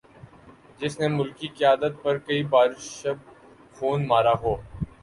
جس نے ملکی قیادت پر کئی بار شب خون مارا ہو